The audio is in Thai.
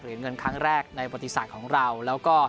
เปลี่ยนเงินครั้งแรกในบริษัทของเราแล้วก็